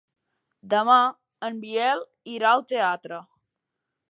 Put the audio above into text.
Demà en Biel irà al teatre.